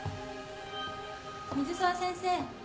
水沢先生。